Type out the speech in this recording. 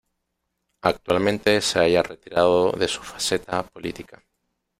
Actualmente se halla retirado de su faceta política.